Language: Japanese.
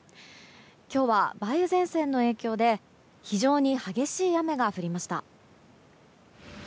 今日は、梅雨前線の影響で非常に激しい雨が降りました。